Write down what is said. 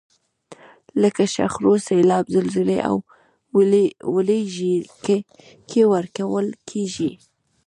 لکه شخړو، سیلاب، زلزلې او ولږې کې ورکول کیږي.